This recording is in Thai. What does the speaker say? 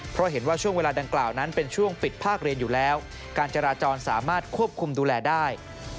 เพราะเห็นว่าช่วงเวลาดังกล่าวนั้นเป็นช่วงปิดภาคเรียนอยู่แล้วการจราจรสามารถควบคุมดูแลได้